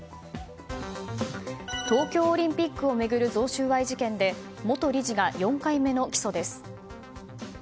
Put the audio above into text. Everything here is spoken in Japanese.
東京オリンピックを巡る贈収賄事件で元理事が４回目の起訴です。